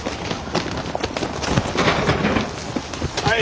はい。